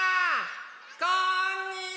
こんにちは！